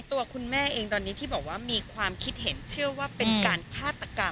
ตัวคุณแม่เองตอนนี้ที่บอกว่ามีความคิดเห็นเชื่อว่าเป็นการฆาตกรรม